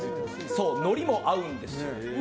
のりも合うんです。